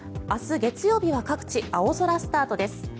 明日、月曜日は各地青空スタートです。